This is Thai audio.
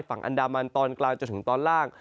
ฝั่งอันดามันตอนกลางจนถึงตอนล่าง